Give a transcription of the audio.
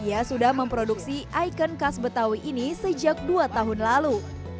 ia sudah memproduksi ikon khas betawi ini sejak dua tahun lalu